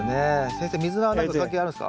先生ミズナは何か関係あるんですか？